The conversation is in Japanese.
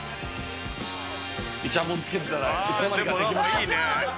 いちゃもんつけてたらいつの間にかできました。